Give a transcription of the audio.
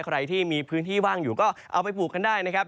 ใครที่มีพื้นที่ว่างอยู่ก็เอาไปปลูกกันได้นะครับ